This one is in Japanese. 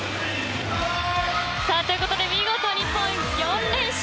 ということで見事日本、４連勝。